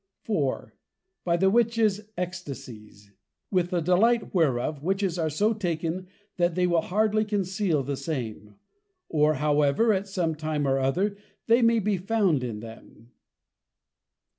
IV. By the Witches Extasies: With the Delight whereof, Witches are so taken, that they will hardly conceal the same: Or, however at some time or other, they may be found in them.